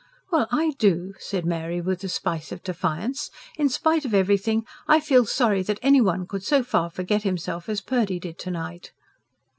"Well, I do," said Mary with a spice of defiance. "In spite of everything, I feel sorry that any one could so far forget himself as Purdy did to night."